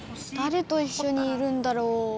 だれといっしょにいるんだろう？